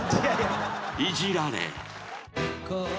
［いじられ］